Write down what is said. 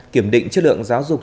kiểm định chất lượng giáo dục